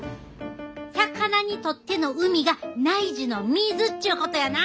魚にとっての海が内耳の水っちゅうことやな！